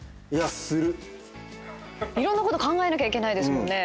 いろんなこと考えなきゃいけないですもんね？